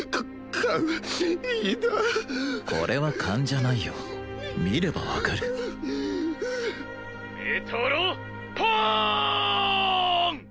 勘いいなこれは勘じゃないよ見れば分かるメトロポーン！